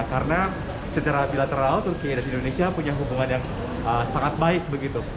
karena secara bilateral turkiye dan indonesia punya hubungan yang sangat baik begitu